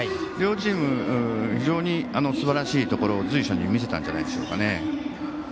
両チーム非常にすばらしいところ随所に見せたんじゃないでしょうかね。